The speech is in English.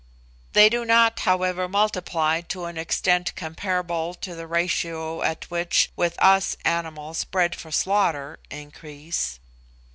They do not, however, multiply to an extent comparable to the ratio at which, with us, animals bred for slaughter, increase.